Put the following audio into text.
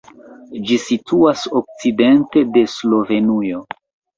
Ĝi situas okcidente de Slovenujo.